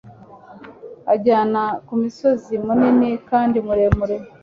Anjyana ku musozi munini kandi muremure